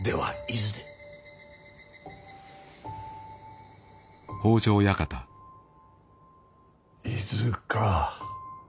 伊豆か。